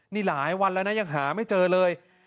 นี่หลายวันแล้วนะยังหาไม่เจอเลย